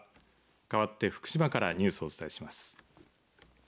かわって福島からニュースをお伝えします。